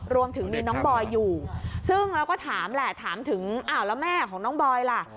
รวมถึงมีน้องบอยอยู่ซึ่งเราก็ถามแหละถามถึงอ้าวแล้วแม่ของน้องบอยล่ะ